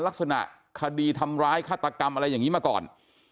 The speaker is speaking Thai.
ลักษณะคดีทำร้ายฆาตกรรมอะไรอย่างนี้มาก่อน